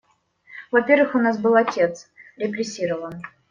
Во-первых, у нас был отец репрессирован.